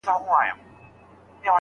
خاونده زور لرم خواږه خو د يارۍ نه غواړم